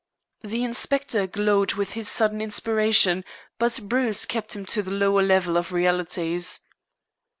The inspector glowed with his sudden inspiration, but Bruce kept him to the lower level of realities.